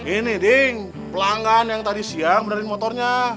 ini ding pelanggan yang tadi siang benerin motornya